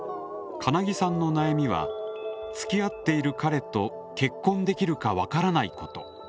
かなぎさんの悩みは「つきあっている彼と結婚できるか分からないこと」。